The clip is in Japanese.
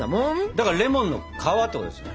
だからレモンの皮ってことですね。